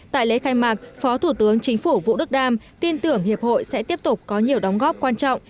tại lễ khai mạc phó thủ tướng chính phủ vũ đức đam tin tưởng hiệp hội sẽ tiếp tục có nhiều đóng góp quan trọng